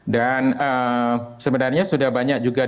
dan sebenarnya sudah banyak juga di